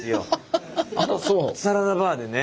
サラダバーでね